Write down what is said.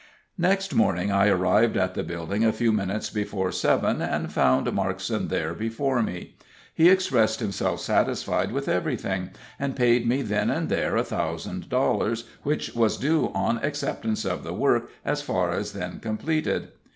Next morning I arrived at the building a few minutes before seven, and found Markson there before me. He expressed himself satisfied with everything, and paid me then and there a thousand dollars, which was due on acceptance of the work as far as then completed.